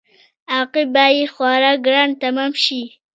عواقب به یې خورا ګران تمام شي.